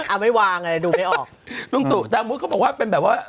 อ้าวไม่วางไงที่ดูไม่ออกลุงตู่ก็บอกว่าเป็นแบบว่า